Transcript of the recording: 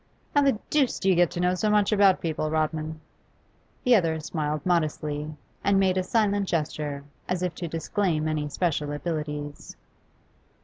'How the deuce do you get to know so much about people, Rodman?' The other smiled modestly, and made a silent gesture, as if to disclaim any special abilities.